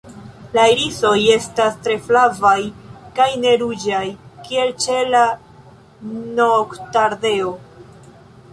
La irisoj estas tre flavaj kaj ne ruĝaj, kiel ĉe la Noktardeo.